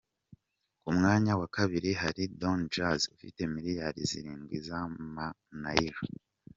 Ku mwanya wa kabiri hari Don Jazzy ufite miliyari zirindwi z’ama-Naira.